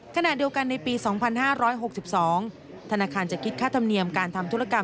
ขณะเดียวกันในปี๒๕๖๒ธนาคารจะคิดค่าธรรมเนียมการทำธุรกรรม